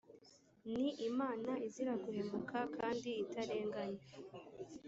ni imana izira guhemuka, kandi itarenganya,